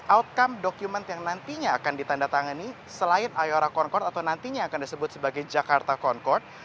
outcome document yang nantinya akan ditandatangani selain ayora concord atau nantinya akan disebut sebagai jakarta concord